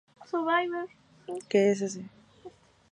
Se suele servir frío o helado.